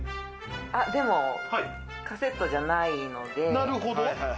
あっ、でもカセットじゃないので。